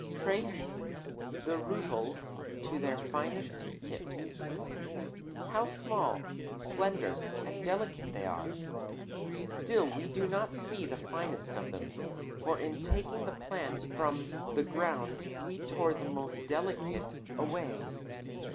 Trace the rootlets to their finest tips. How small, slender, and delicate they are! Still we do not see the finest of them, for in taking the plant from the ground we tore the most delicate away.